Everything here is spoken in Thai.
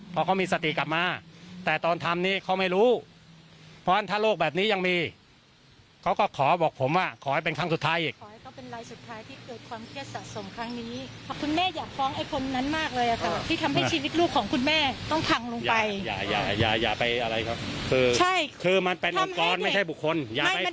ผิดมันทำให้ลูกแม่เป็นแบบนี้คนดีทั้งคนทำไมถึงเป็นแบบนี้